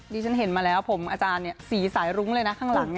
ฉันเห็นมาแล้วผมอาจารย์สีสายรุ้งเลยนะข้างหลัง